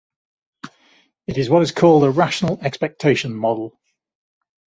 It is what is called a rational expectation model.